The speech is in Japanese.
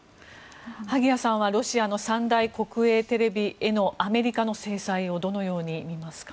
萩谷さんはロシアの三大国営テレビへのアメリカの制裁をどのように見ますか？